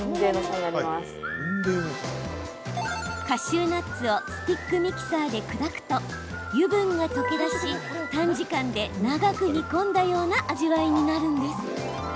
カシューナッツをスティックミキサーで砕くと油分が溶け出し短時間で長く煮込んだような味わいになるんです。